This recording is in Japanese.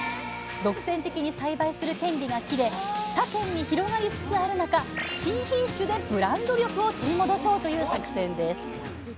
独占的に栽培する権利が切れ他県に広がりつつある中新品種でブランド力を取り戻そうという作戦です